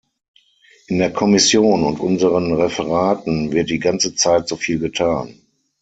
In der Kommission und unseren Referaten wird die ganze Zeit so viel getan.